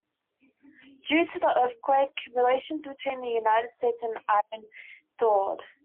Due to the earthquake, relations between the United States and Iran thawed.